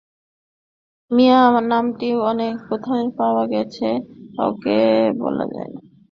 ইমা নামটি কোথেকে পাওয়া, সেটা কাউকে না বলাই ভালো, বিশেষ করে পুলিশকে।